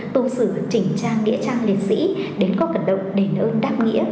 tù sử chỉnh trang địa trang liệt sĩ đến có cận động để nơi đáp nghĩa